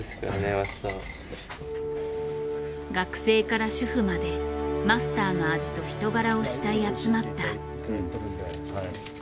学生から主婦までマスターの味と人柄を慕い集まった。